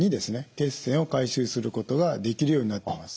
血栓を回収することができるようになってます。